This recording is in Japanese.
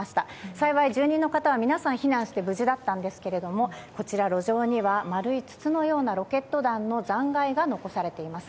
幸い住人の方は皆さん避難して無事だったんですが路上には丸い筒のようなロケット弾の残骸が残されています。